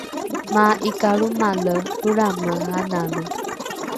maa’ikalromale lrolrame analo